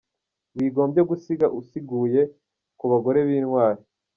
Wigombye gusiga usiguye ku bagore b’intwari.